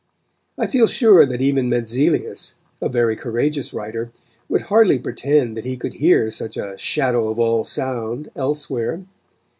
I feel sure that even Mentzelius, a very courageous writer, would hardly pretend that he could hear such a "shadow of all sound" elsewhere.